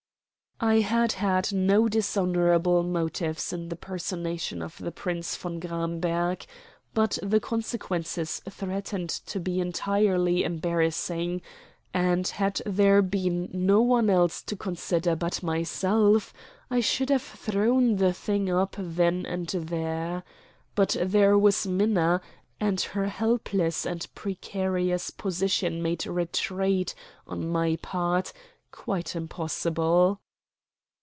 I had had no dishonorable motives in the personation of the Prince von Gramberg; but the consequences threatened to be entirely embarrassing, and, had there been no one else to consider but myself, I should have thrown the thing up there and then. But there was Minna, and her helpless and precarious position made retreat, on my part, quite impossible.